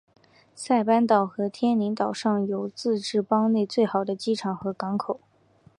塞班岛和天宁岛上有自治邦内最好的机场和港口。